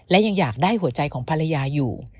และยังอยากได้หัวใจของภรรยาอยู่